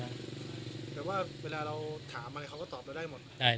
แต่ว่าเวลาเราถามอะไรเขาก็ตอบเราได้หมด